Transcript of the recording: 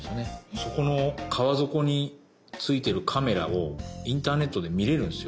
そこの川底についてるカメラをインターネットで見れるんすよ